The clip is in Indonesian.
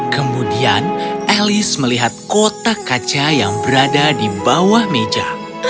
kemudian elis melihat kotak kaca yang berada di bawah meja